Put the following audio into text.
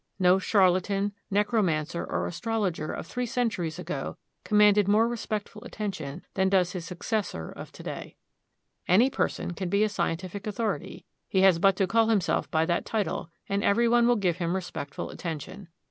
No charlatan, necromancer, or astrologer of three centuries ago commanded more respectful attention than does his successor of to day. Any person can be a scientific authority; he has but to call himself by that title, and everyone will give him respectful attention.